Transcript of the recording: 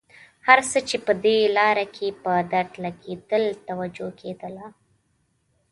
هر څه چې په دې لاره کې په درد لګېدل توجه کېدله.